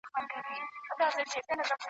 د خټین او د واورین سړک پر غاړه !.